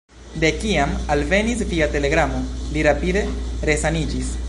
De kiam alvenis via telegramo, li rapide resaniĝis.